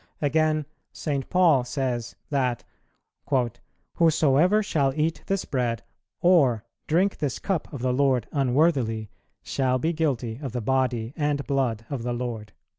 Again, St. Paul says that "whosoever shall eat this Bread or drink this Cup of the Lord unworthily, shall be guilty of the Body and Blood of the Lord."